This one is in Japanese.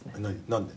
何で？